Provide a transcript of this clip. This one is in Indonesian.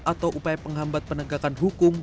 atau upaya penghambat penegakan hukum